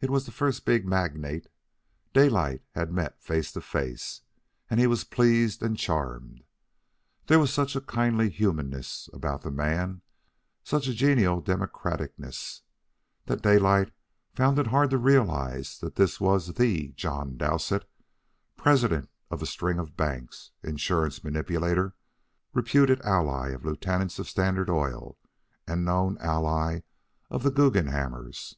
It was the first big magnate Daylight had met face to face, and he was pleased and charmed. There was such a kindly humanness about the man, such a genial democraticness, that Daylight found it hard to realize that this was THE John Dowsett, president of a string of banks, insurance manipulator, reputed ally of the lieutenants of Standard Oil, and known ally of the Guggenhammers.